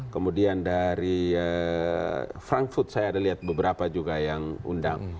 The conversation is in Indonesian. kemudian dari frankfurt saya lihat beberapa juga yang diundang